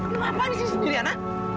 kamu ngapain sih sendiri ana